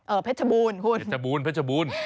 เออเพชรบูลคุณ